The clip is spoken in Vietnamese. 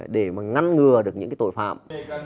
để ngăn ngừa được những tội phạm